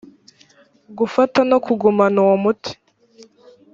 gufata no kugumana uwo umuti